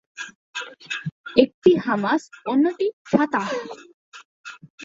একটি হামাস, অন্যটি ফাতাহ।